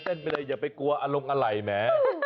เต้นไปเลยอย่าไปกลัวอารมณ์อลัยแม้